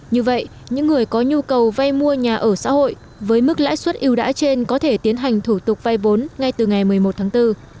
như vậy những người có nhu cầu vay mua nhà ở xã hội với mức lãi suất yêu đãi trên có thể tiến hành thủ tục vay vốn ngay từ ngày một mươi một tháng bốn